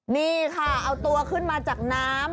นี่ค่ะเอาตัวขึ้นมาจากน้ำ